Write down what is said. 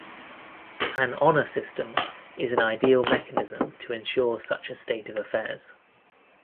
An Honor System is an ideal mechanism to ensure such a state of affairs.